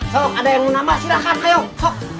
sok ada yang mau nambah silahkan ayo sok